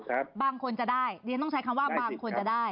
ก็บางคนจะได้นี่มันใช้คำว่าบางคนจะได้